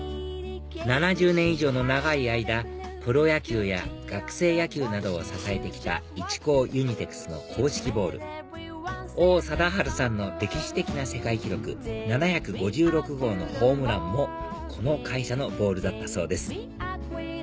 ７０年以上の長い間プロ野球や学生野球などを支えてきた一光ユニテクスの硬式ボール王貞治さんの歴史的な世界記録７５６号のホームランもこの会社のボールだったそうです